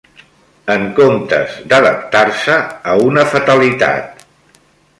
En comptes d'adaptar-se a una fatalitat